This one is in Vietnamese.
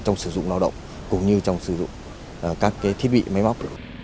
trong sử dụng lao động cũng như trong sử dụng các thiết bị máy móc